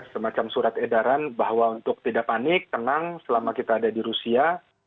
semacam surat edaran bahwa untuk tidak panik tenang selama kita ada di rusia